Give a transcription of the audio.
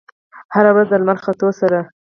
هره ورځ د لمر ختو سره